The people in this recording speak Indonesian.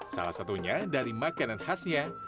salah satunya dari makanan khasnya